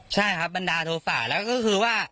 ใช่ครับบันดาลโทษะแล้วก็คือว่า